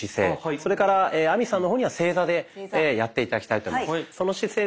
それから亜美さんの方には正座でやって頂きたいと思います。